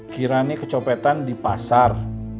kirani kecopetan di pasar